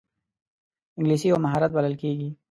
انګلیسي یو مهارت بلل کېږي